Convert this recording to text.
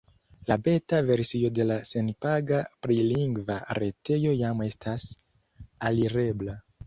La beta versio de la senpaga prilingva retejo jam estas alirebla.